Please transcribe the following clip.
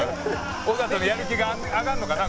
尾形のやる気が上がるのかな？